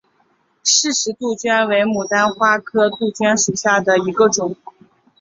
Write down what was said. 饰石杜鹃为杜鹃花科杜鹃属下的一个种。